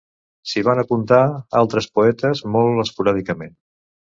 S'hi van apuntar altres poetes, molt esporàdicament.